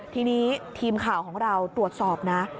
ทีนี้ทีมข่าวของเราตรวจสอบนะ